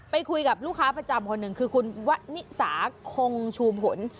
ไปคุยกับลูกค้าประจำคนหนึ่งคือคุณวะนิสาคงชูมผล